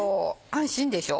安心でしょ？